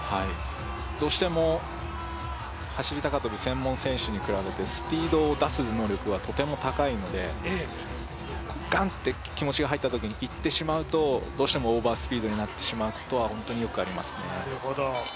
どうしても、走高跳専門選手に比べてスピードを出す能力がとても高いのでがんって気持ちが入ったときに、いってしまうと、どうしてもオーバースピードになってしまうことは本当によくありますね。